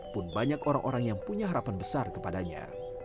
pun banyak orang orang yang punya harapan besar kepadanya